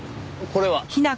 これは？